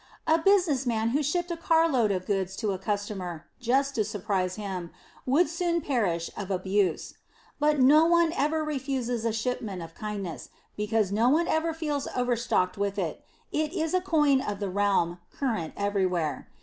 A business man who shipped a carload of goods to a customer, just to surprise him, would soon perish of abuse. But no one ever refuses a shipment of kindness, because no one ever feels overstocked with it. It is coin of the realm, current everywhere.